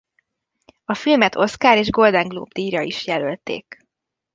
A filmet Oscar- és Golden Globe-díjra is jelölték.